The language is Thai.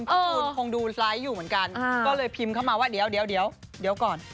จูนคงดูไลค์อยู่เหมือนกันก็เลยพิมพ์เข้ามาว่าเดี๋ยวก่อน